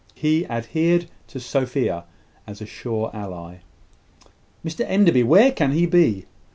He adhered to Sophia, as a sure ally. "Mr Enderby! Where can he be?"